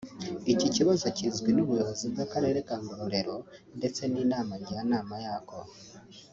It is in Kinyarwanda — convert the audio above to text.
Iki kibazo kizwi n’ubuyobozi bw’akarere ka Ngororero ndetse n’Inama Njyanama yako